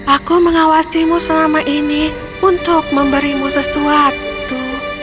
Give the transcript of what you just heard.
aku mengawasimu selama ini untuk memberimu sesuatu